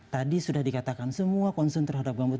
tadi sudah dikatakan semua concern terhadap gambut